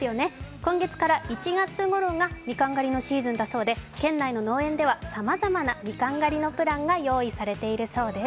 今月から１月ごろがみかん狩りのシーズンだそうで県内の農園ではさまざまなみかん狩りのプランが用意されているそうです。